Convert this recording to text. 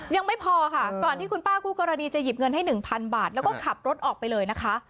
ยังไม่พอค่ะก่อนที่คุณป้าคู่กรณีจะหยิบเงินให้หนึ่งพันบาทแล้วก็ขับรถออกไปเลยนะคะ